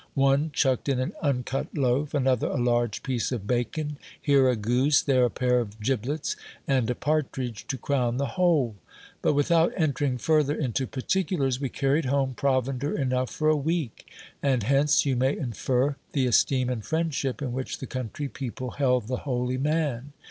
One chucked in an uncut loaf, another a large piece of bacon ; here a goose, there a pair of giblets, and a partridge to crown the whole. But without entering further into particulars, we carried home provender enough for a week ; and hence you may infer the esteem and friendship in which the country people held the holy man.